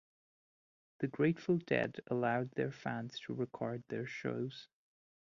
The Grateful Dead allowed their fans to record their shows.